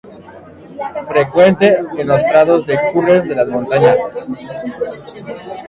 Frecuente en los prados de cumbres de las montañas.